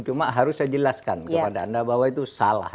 cuma harus saya jelaskan kepada anda bahwa itu salah